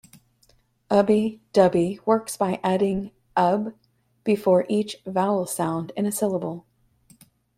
Ubbi dubbi works by adding "-ub-" before each vowel sound in a syllable.